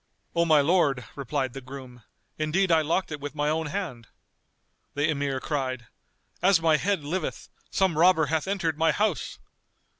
"O my lord," replied the groom, "indeed I locked it with my own hand." The Emir cried, "As my head liveth, some robber hath entered my house!"